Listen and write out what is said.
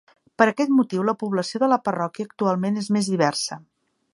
Per aquest motiu, la població de la parròquia actualment és més diversa.